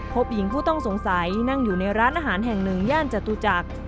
พบหญิงผู้ต้องสงสัยนั่งอยู่ในร้านอาหารแห่งหนึ่งย่านจตุจักร